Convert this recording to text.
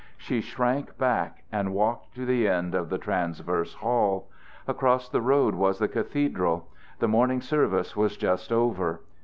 She shrank back and walked to the end of the transverse hall. Across the road was the cathedral. The morning service was just over.